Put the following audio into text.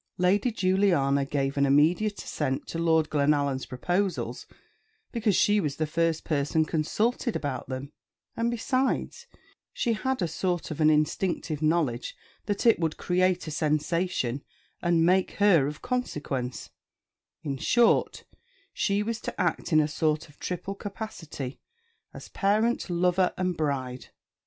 Lady Juliana gave an immediate assent to Lord Glenallan's proposals because she was the first person consulted about them; and besides, she had a sort of an instinctive knowledge that it would create a sensation and make her of consequence in short, she was to act in a sort of triple capacity, as parent, lover, and bride.